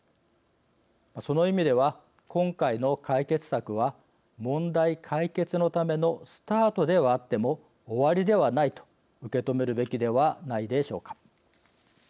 その意味では、今回の解決策は問題解決のためのスタートではあっても終わりではないと受け止めるべきではないでしょうか。